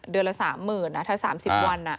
เดือนละ๓๐๐๐ถ้า๓๐วัน